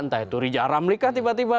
entah itu rija ramli kah tiba tiba